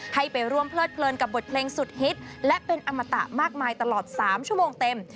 ให้ไปร่วมเพลิดเพลินกับบทเพลงสุดฮิตและเป็นอมตะมากมายตลอด๓ชั่วโมงเต็ม